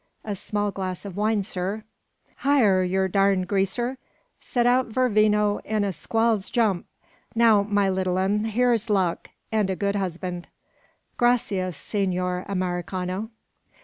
(A small glass of wine, sir.) "Hyar, yer darned greaser! Set out yer vino in a squ'll's jump! Now, my little un', hyar's luck, and a good husband!" "Gracias, Senor Americano!"